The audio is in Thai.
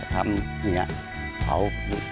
ทำอย่างนี้น่ะเผา